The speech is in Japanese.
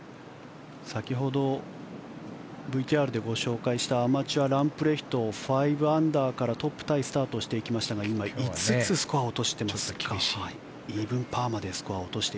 先ほどＶＴＲでご紹介したアマチュア、ランプレヒト５アンダーからトップタイスタートしていきましたが今５つスコアを落としています。